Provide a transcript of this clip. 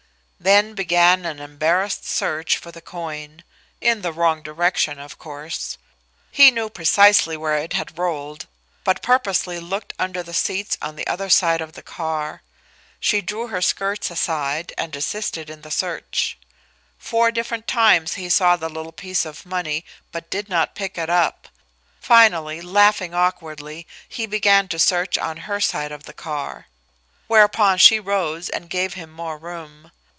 Then began an embarrassed search for the coin in the wrong direction, of course. He knew precisely where it had rolled, but purposely looked under the seats on the other side of the car. She drew her skirts aside and assisted in the search. Four different times he saw the little piece of money, but did not pick it up. Finally, laughing awkwardly, he began to search on her side of the car. Whereupon she rose and gave him more room.